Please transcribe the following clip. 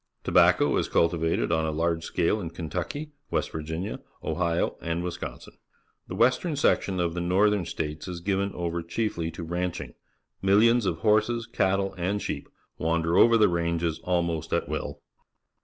Tobacco is cultivated on a large scale in Kentucky, West Virginia, Ohio, and Wisconsin. The western section of the North ern States is given over chiefly to ranching. INlillions of horseSj_catUe,^Jid_sheep wander over the ranges almost at will.